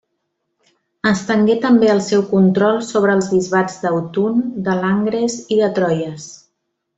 Estengué també el seu control sobre els bisbats d'Autun, de Langres i de Troyes.